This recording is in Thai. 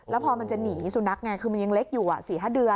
แล้วพอมันจะหนีสุนัขไงคือมันยังเล็กอยู่๔๕เดือน